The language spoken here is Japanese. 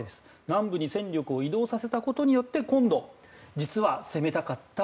南部に戦力を移動させたことで今度、実は攻めたかった